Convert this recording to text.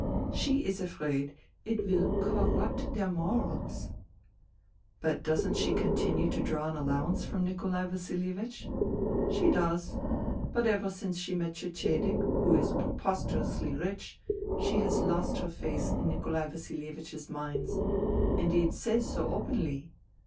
She is afraid it will corrupt their morals." " But doesn't she continue to draw an allowance from Nikolai Vasilievich ?" I THE THREE SISTERS 79 " She does. But ever since she met Cecedek, who is preposterously rich, she has lost her faith (in Nikolai Vasilievich's mines — indeed says so openly.